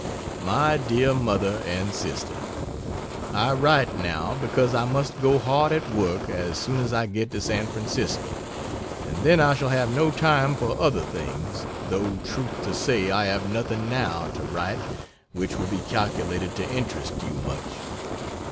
DEAR MOTHER AND SISTER, I write, now, because I must go hard at work as soon as I get to San Francisco, and then I shall have no time for other things though truth to say I have nothing now to write which will be calculated to interest you much.